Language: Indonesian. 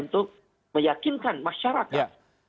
untuk meyakinkan masyarakat